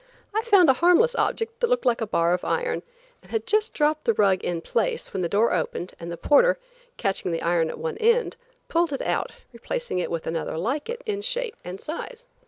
I found a harmless object that looked like a bar of iron and had just dropped the rug in place when the door opened and the porter, catching the iron at one end, pulled it out, replacing it with another like it in shape and size.